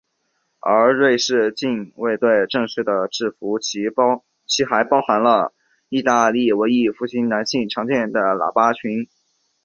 而瑞士近卫队正式的制服其实还包含了义大利文艺复兴男性常见的喇叭裙。